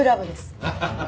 ハハハハハ。